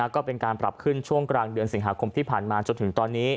ก็เป็นการปรับขึ้นช่วงกลางเดือนสิงหาคมที่ผ่านมาจนถึงตอนนี้